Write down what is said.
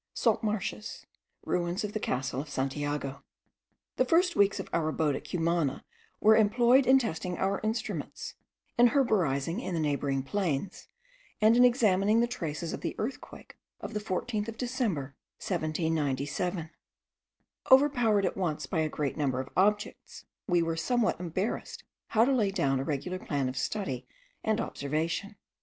SALT MARSHES. RUINS OF THE CASTLE OF SANTIAGO. THE first weeks of our abode at Cumana were employed in testing our instruments, in herborizing in the neighbouring plains, and in examining the traces of the earthquake of the 14th of December, 1797. Overpowered at once by a great number of objects, we were somewhat embarrassed how to lay down a regular plan of study and observation.